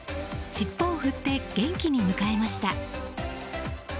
尻尾を振って元気に迎えました。